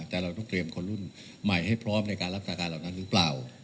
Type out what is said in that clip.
แต่เราต้องเตรียมคนรุ่นใหม่ให้พร้อมในการรักษาการเหล่านั้นหรือเปล่า